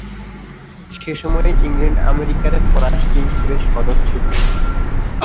সেসময় ইংল্যান্ড-আমেরিকাতে ফরাসি জিনিসের বেশ কদর ছিল।